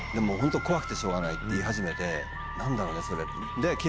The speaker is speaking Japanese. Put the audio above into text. もう本当、怖くてしょうがないって言い始めて、なんだろうね、それって。